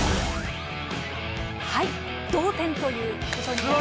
はい同点ということに。